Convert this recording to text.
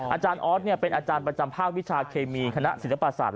อาจารย์ออสเป็นอาจารย์ประจำภาควิชาเคมีคณะศิลปศาสต